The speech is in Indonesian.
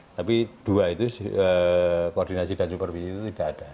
tapi dua itu koordinasi dan supervisi itu tidak ada